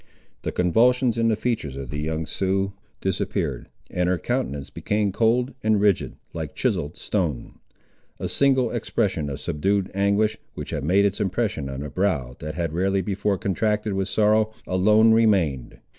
The convulsions in the features of the young Sioux disappeared, and her countenance became cold and rigid, like chiselled stone. A single expression of subdued anguish, which had made its impression on a brow that had rarely before contracted with sorrow, alone remained.